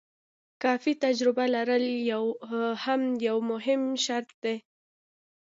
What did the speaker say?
کافي تجربه لرل هم یو مهم شرط دی.